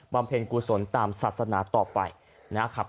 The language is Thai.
เพ็ญกุศลตามศาสนาต่อไปนะครับ